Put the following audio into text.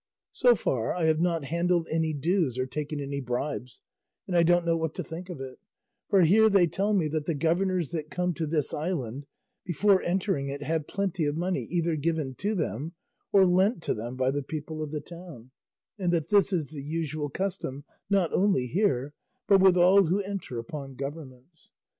So far I have not handled any dues or taken any bribes, and I don't know what to think of it; for here they tell me that the governors that come to this island, before entering it have plenty of money either given to them or lent to them by the people of the town, and that this is the usual custom not only here but with all who enter upon governments.